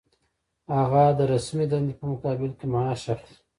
هغه د رسمي دندې په مقابل کې معاش اخلي.